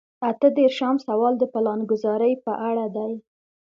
اته دېرشم سوال د پلانګذارۍ په اړه دی.